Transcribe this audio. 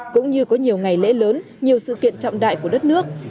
cũng như có nhiều ngày lễ lớn nhiều sự kiện trọng đại của đất nước